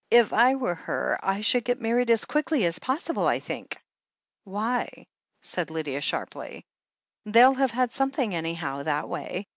If I were her, I should get married as quickly as pos sible, I think." "Why ?" said Lydia sharply. "They'll have had something, anyhow, that way.